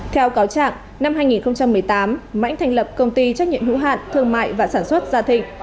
theo cáo trạng năm hai nghìn một mươi tám mãnh thành lập công ty trách nhiệm hữu hạn thương mại và sản xuất gia thịnh